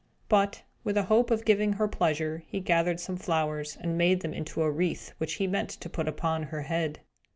But, with a hope of giving her pleasure, he gathered some flowers, and made them into a wreath, which he meant to put upon her head.